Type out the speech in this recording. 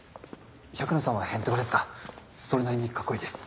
百野さんはヘンテコですがそれなりにかっこいいです。